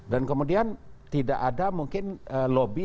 dan kemudian tidak ada mungkin lobby